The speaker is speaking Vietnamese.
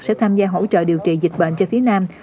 sẽ tham gia hỗ trợ điều trị dịch bệnh cho phía nam